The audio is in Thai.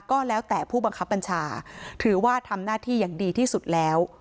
ก็แล้วแต่ผู้บังคับบัญชาถือว่าทำหน้าที่อย่างดีที่สุดแล้ว